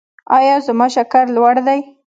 ایا زما شکر لوړ دی؟